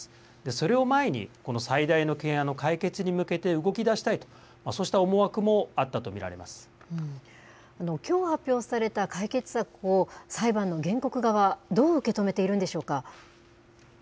それを前に、この最大の懸案の解決に向けて動きだしたいと、そうした思惑もあきょう発表された解決策を裁判の原告側、どう受け止めているんでしょうか。